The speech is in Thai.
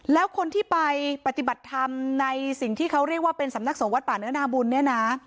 แล้วคนที่ไปปฏิบัติธรรมในสิ่งที่เขาเรียกว่าเป็นสำนักสงฆ์วัดป่าเนื้อนาบุญเนี่ยนะ